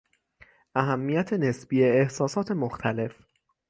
اهمیت نسبی احساسات مختلف